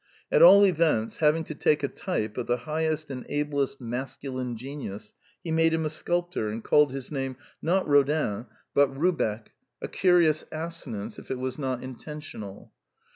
At all events, having to take a type of the highest and ablest masculine genius, he made him a sculptor, and called his name, not Rodin, 172 The Quintessence of Ibsenism but Rubeck: a curious assonance, if it was not intentional.